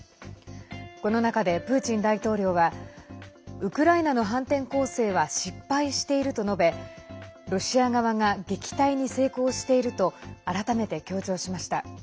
この中でプーチン大統領はウクライナの反転攻勢は失敗していると述べロシア側が撃退に成功していると改めて強調しました。